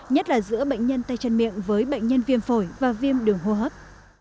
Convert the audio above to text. nhất là giữa bệnh nhân tay chân miệng với bệnh nhân viêm phổi và viêm đường hô hấp